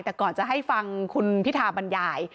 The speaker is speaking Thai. แต่ก่อนจะให้ฟังคุณพิธาบรรยาย